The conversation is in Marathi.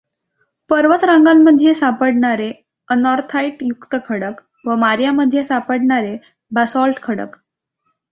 पर्वतरांगांमध्ये सापडणारे अनॉर्थाईट युक्त खडक व मारिया मध्ये सापडणारे बॅसॉल्ट खडक.